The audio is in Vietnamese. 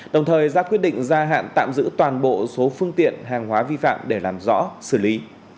đồng thời ra quyết định gia hạn tạm giữ toàn bộ số phương tiện hàng hóa vi phạm để làm rõ xử lý